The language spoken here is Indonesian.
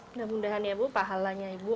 mudah mudahan ya bu pahalanya ibu